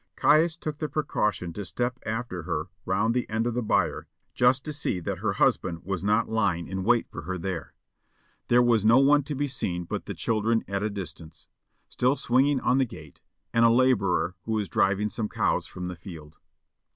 Caius took the precaution to step after her round the end of the byre, just to see that her husband was not lying in wait for her there. There was no one to be seen but the children at a distance, still swinging on the gate, and a labourer who was driving some cows from the field.